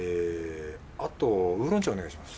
あとウーロン茶お願いします。